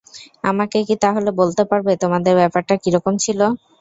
আমাকে কি তাহলে বলতে পারবে তোমাদের ব্যাপারটা কীরকম ছিল?